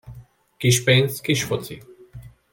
Kis pénz, kis foci.